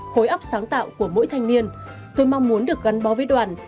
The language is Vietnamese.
khối óc sáng tạo của mỗi thanh niên tôi mong muốn được gắn bó với đoàn